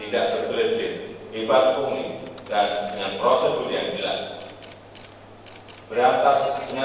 dan perlindungan polri penerangnya